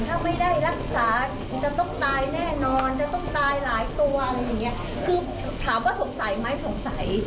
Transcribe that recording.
ถ้าไม่ได้รักษาจะต้องตายแน่นอนจะต้องตายหลายตัวอะไรอย่างเงี้ยคือถามว่าสงสัยไหมสงสัย